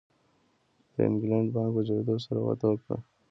د انګلینډ بانک په جوړېدو سره وده وکړه.